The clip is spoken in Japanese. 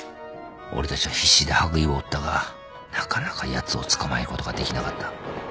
俺たちは必死で羽喰を追ったがなかなかやつを捕まえることができなかった。